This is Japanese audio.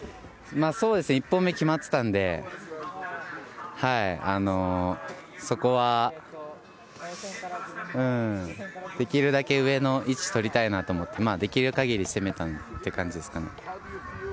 そうですね、１本目決まってたんで、そこはできるだけ上の位置取りたいなと思って、できるかぎり攻めたっていう感じですかね。